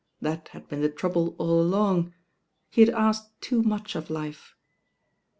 That had been the trouble all along. He had asked too much of life.